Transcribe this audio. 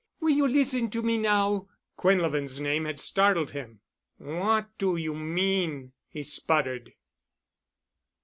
Will you listen to me now?" Quinlevin's name had startled him. "What do you mean?" he sputtered.